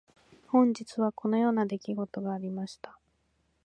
本日はこのような出来事がありました。